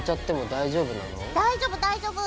大丈夫大丈夫！